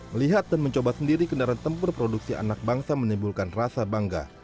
melihat dan mencoba sendiri kendaraan tempur produksi anak bangsa menimbulkan rasa bangga